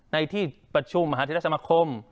ในที่ประชุมมหาเทศสมคม